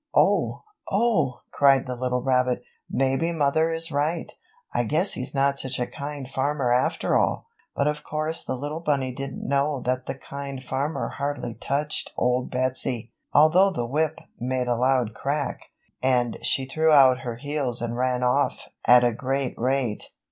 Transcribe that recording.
"Oh, Oh!" cried the little rabbit, "Maybe mother is right. I guess he's not such a kind farmer after all!" But of course the little bunny didn't know that the Kind Farmer hardly touched Old Betsy, although the whip made a loud crack and she threw out her heels and ran off at a great rate.